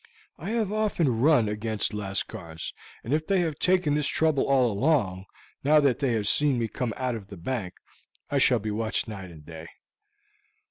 I have often run against Lascars, and if they have taken this trouble all along, now that they have seen me come out of the bank, I shall be watched night and day.